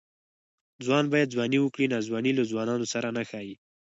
ځوان باید ځواني وکړي؛ ناځواني له ځوانانو سره نه ښايي.